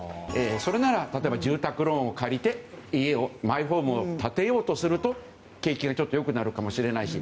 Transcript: それなら例えば住宅ローンを借りてマイホームを建てようとすると景気が良くなるかもしれないし